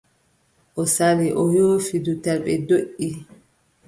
O sali o yoofi dutal, ɓe ndoʼi.